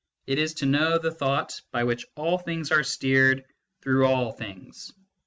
It is to know the thought by which all things are steered through all things."